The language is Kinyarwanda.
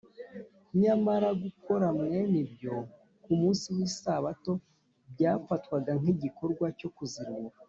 nyamara gukora mwene ibyo ku munsi w’isabato, byafatwaga nk’igikorwa cyo kuzirura